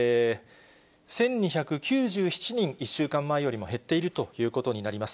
１２９７人、１週間前よりも減っているということになります。